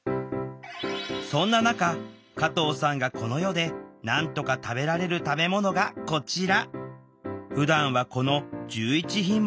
そんな中加藤さんがこの世でなんとか食べられる食べ物がこちら。